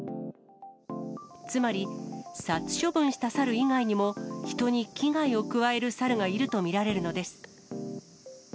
つまり、殺処分したサル以外にも、人に危害を加えるサルがいると見られるのです。